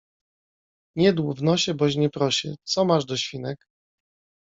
Nie dłub w nosie boś nie prosię. Coś masz do świnek?